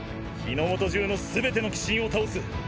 日ノ本中のすべての鬼神を倒す。